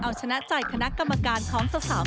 เอาชนะใจคณะกรรมการของสาว